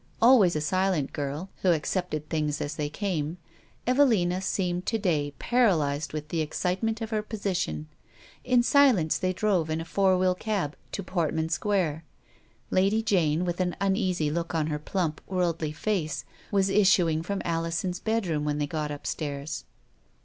Always a silent girl, who accepted things as they came, Evelina seemed • to day paralised with the excitement of her position. In silence they drove in a four wheel cab to Portman Square. Lady Jane, with an uneasy look on her plump, worldly face, was issuing from Alison's bed room when they got upstairs.